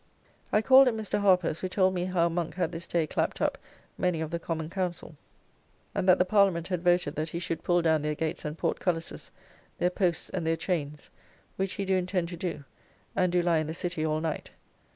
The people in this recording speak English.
I called at Mr. Harper's, who told me how Monk had this day clapt up many of the Common council, and that the Parliament had voted that he should pull down their gates and portcullisses, their posts and their chains, which he do intend to do, and do lie in the City all night.